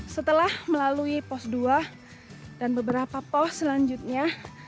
setelah melalui pos dua dan beberapa pos selanjutnya